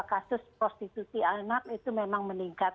kasus prostitusi anak itu memang meningkat